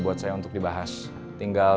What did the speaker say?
buat saya untuk dibahas tinggal